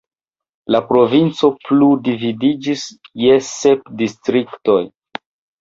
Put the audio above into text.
La provinco plu dividiĝis je sep distriktoj.